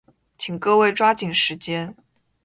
请各位抓紧时间。